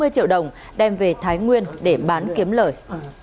ba trăm bốn mươi triệu đồng đem về thái nguyên để bán kiếm lợi